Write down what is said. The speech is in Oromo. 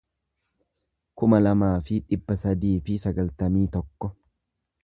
kuma lamaa fi dhibba sadii fi sagaltamii tokko